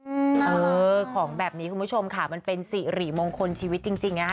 เออของแบบนี้คุณผู้ชมค่ะมันเป็นสิริมงคลชีวิตจริงจริงนะคะ